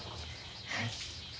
はい。